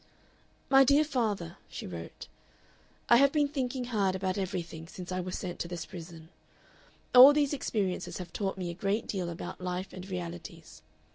"MY DEAR FATHER," she wrote, "I have been thinking hard about everything since I was sent to this prison. All these experiences have taught me a great deal about life and realities.